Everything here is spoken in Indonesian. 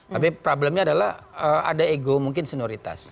tapi problemnya adalah ada ego mungkin senioritas